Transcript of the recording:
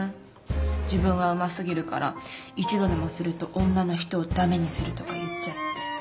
自分はうますぎるから１度でもすると女の人をだめにするとか言っちゃって。